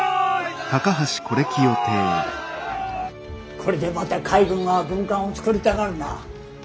これでまた海軍は軍艦を造りたがるな。